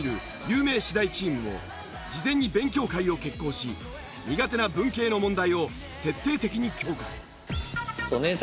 有名私大チームも事前に勉強会を決行し苦手な文系の問題を徹底的に強化。